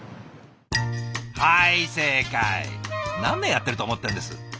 何年やってると思ってるんですか。